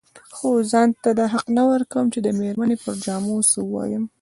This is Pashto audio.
خو ځان ته دا حق نه ورکوم چې د مېرمنې پر جامو څه ووايم.